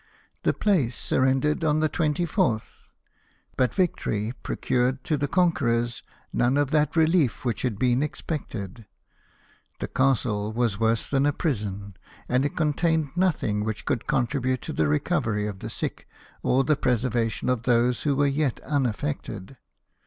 The place sur rendered on the twenty fourth. But victory procured to the conquerors none of that relief which had been expected ; the castle was worse than a prison ; and it contamed nothing which could contribute to the recovery of the sick, or the preservation of those who were yet unaffected.